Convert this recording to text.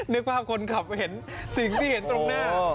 นึกภาพคนขับเห็นสิ่งที่เห็นตรงหน้า